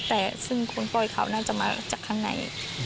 แต่ซึ่งคนปล่อยเขาน่าจะมาจากข้างใน